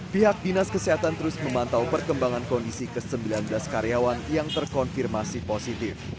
pihak dinas kesehatan terus memantau perkembangan kondisi ke sembilan belas karyawan yang terkonfirmasi positif